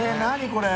これ。